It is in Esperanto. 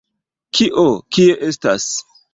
Kio, kie estas?